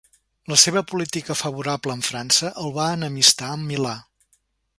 La seva política favorable amb França el va enemistar amb Milà.